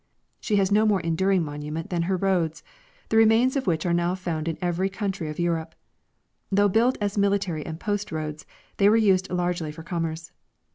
She has no more enduring monument than her roads, the remains of which are now found in every country of Europe. Though built as military and post roads, they were used largely for commerce.